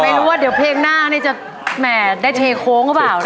ไม่รู้ว่าเดี๋ยวเพลงหน้านี่จะแหม่ได้เทโค้งหรือเปล่านะ